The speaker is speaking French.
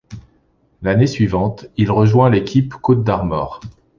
L'année suivante, il rejoint l'équipe Côtes d'Armor.